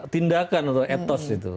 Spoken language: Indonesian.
tindakan atau etos itu